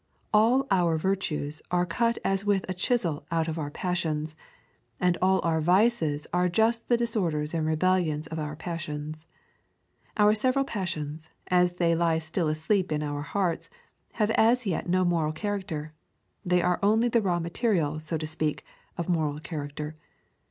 All our virtues are cut as with a chisel out of our passions, and all our vices are just the disorders and rebellions of our passions. Our several passions, as they lie still asleep in our hearts, have as yet no moral character; they are only the raw material so to speak, of moral character.